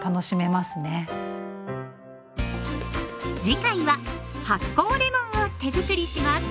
次回は発酵レモンを手づくりします。